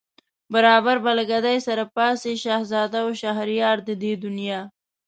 برابر به له گدايه سره پاڅي شهزاده و شهريار د دې دنیا